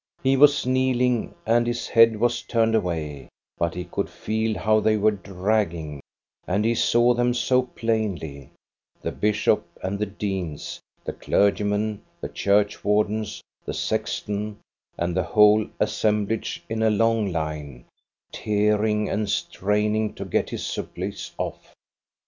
He was kneel ing and his head was turned away, but he could feel how they were dragging, and he saw them so plainly, the bishop and the deans, the clergymen, the church wardens, the sexton, and the whole assemblage in a long line, tearing and straining to get his surplice off.